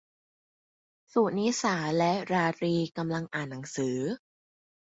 สุนิสาและราตรีกำลังอ่านหนังสือ